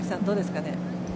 どうですかね。